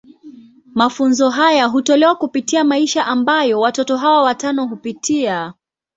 Mafunzo haya hutolewa kupitia maisha ambayo watoto hawa watano hupitia.